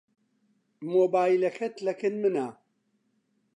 مۆبایلەکەت لەکن منە.